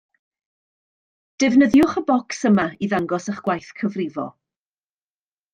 Defnyddiwch y bocs yma i ddangos eich gwaith cyfrifo